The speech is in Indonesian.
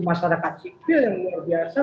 masyarakat sipil yang luar biasa